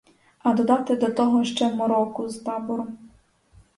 А додати до того ще мороку з табором.